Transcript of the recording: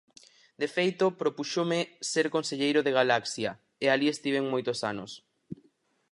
De feito, propúxome ser conselleiro de Galaxia, e alí estiven moitos anos.